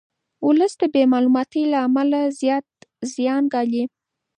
ولس د بې معلوماتۍ له امله زیات زیان ګالي.